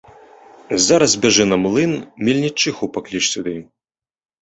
Зараз бяжы на млын, мельнічыху пакліч сюды.